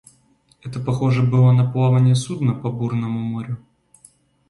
Это похоже было на плавание судна по бурному морю.